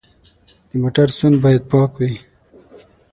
د موټر سوند باید پاک وي.